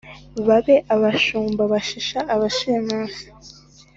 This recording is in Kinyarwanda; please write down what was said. babe abashumba bashisha abashimusi